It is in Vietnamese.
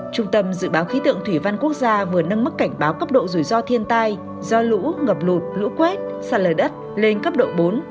trung tâm dự báo khí tượng thủy văn quốc gia vừa nâng mức cảnh báo cấp độ rủi ro thiên tai do lũ ngập lụt lũ quét sạt lở đất lên cấp độ bốn